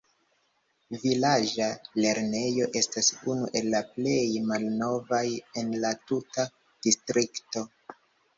Vilaĝa lernejo estas unu el la plej malnovaj en la tuta distrikto.